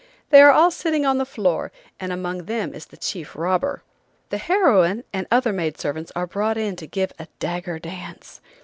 They are all sitting on the floor, and among them is the chief robber. The heroine, and other maidservants are brought in to give a dagger dance.